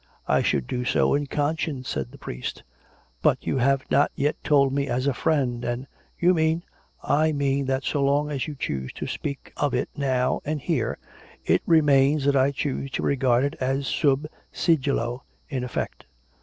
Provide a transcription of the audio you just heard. " I should do so in conscience," said the priest. " But you have not yet told me as a friend, and "" You mean "" I mean tliat so long as you choose to speak to me of it, now and here, it remains that I choose to regard it as COME RACK! COME ROPE! 267 sub sigillo in effect.